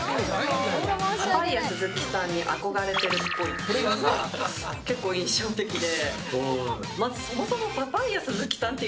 パパイヤ鈴木さんに憧れてるっぽいっていうのが結構、印象的で。